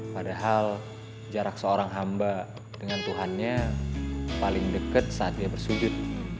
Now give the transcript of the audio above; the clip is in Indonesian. padahal jarak seorang hamba dengan tuhannya paling dekat saat dia bersudut